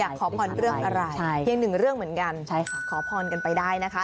อยากขอผ่อนเรื่องอะไรเพียงหนึ่งเรื่องเหมือนกันขอผ่อนกันไปได้นะคะ